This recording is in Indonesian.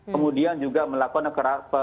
kemudian juga melakukan